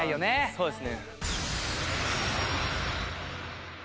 そうです。